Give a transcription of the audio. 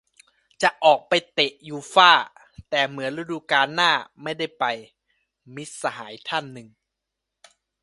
"จะออกไปเตะยูฟ่า แต่เหมือนฤดูกาลหน้าไม่ได้ไป" - มิตรสหายท่านหนึ่ง